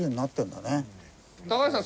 高橋さん